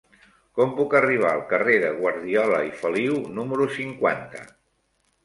Com puc arribar al carrer de Guardiola i Feliu número cinquanta?